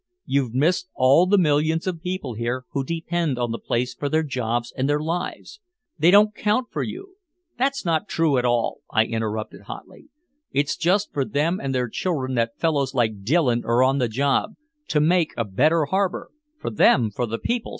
You've missed all the millions of people here who depend on the place for their jobs and their lives. They don't count for you " "That's not true at all!" I interrupted hotly. "It's just for them and their children that fellows like Dillon are on the job to make a better harbor!" "For them, for the people!"